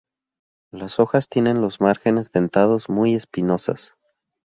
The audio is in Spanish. Las hojas tienen los márgenes dentados muy espinosas.